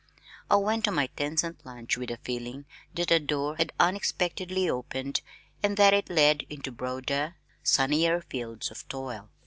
I went to my ten cent lunch with a feeling that a door had unexpectedly opened and that it led into broader, sunnier fields of toil.